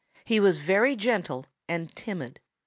He was very gentle and timid.